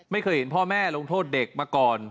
ไม่เคยเห็นพ่อแม่ลงโทษเด็กมาก่อน